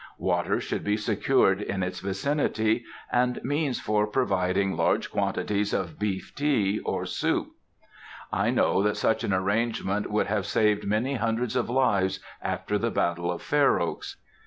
Water should be secured in its vicinity, and means for providing large quantities of beef tea or soup. I know that such an arrangement would have saved many hundred lives after the battle of Fair Oaks.